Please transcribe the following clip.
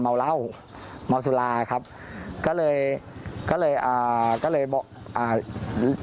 แต่ตอนนี้ติดต่อน้องไม่ได้